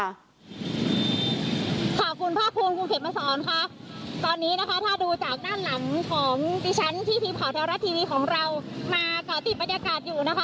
ค่ะคุณภาคภูมิคุณเข็มมาสอนค่ะตอนนี้นะคะถ้าดูจากด้านหลังของดิฉันที่ทีมข่าวแท้วรัฐทีวีของเรามาก่อติดบรรยากาศอยู่นะคะ